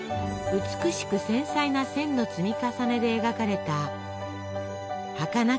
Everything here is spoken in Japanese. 美しく繊細な線の積み重ねで描かれたはかなく